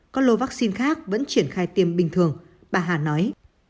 các lô vaccine khác vẫn triển khai tiêm bình thường bà hà nói